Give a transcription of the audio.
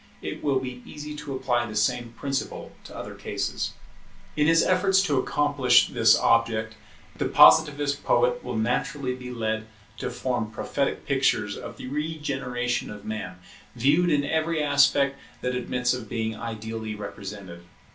It will be easy to apply the same principle to other cases. [Pictures of the Future of Man] In his efforts to accomplish this object, the Positivist poet will naturally be led to form prophetic pictures of the regeneration of Man, viewed in every aspect that admits of being ideally represented.